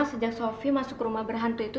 sejak sophie masuk rumah berhantu itu